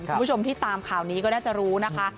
คุณผู้ชมที่ตามข่าวนี้ก็น่าจะรู้นะคะ